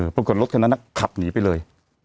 ปรากฏรถคันนั้นขับหนีไปเลย